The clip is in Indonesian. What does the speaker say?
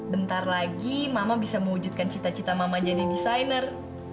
bentar lagi mama bisa mewujudkan cita cita mama jadi desainer